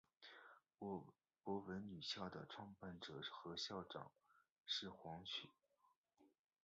博文女校的创办者和校长是黄侃。